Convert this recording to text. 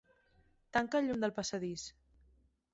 Tanca el llum del passadís.